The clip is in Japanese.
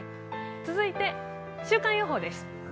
続いて、週間予報です。